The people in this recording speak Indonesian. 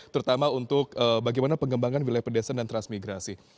terutama untuk bagaimana pengembangan wilayah pedesaan dan transmigrasi